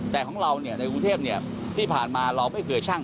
แต่ของเราในกรุงเทพที่ผ่านมาเราไม่เคยช่าง